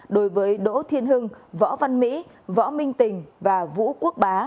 đối với đỗ thiên hưng võ văn mỹ võ minh tình và vũ quốc bá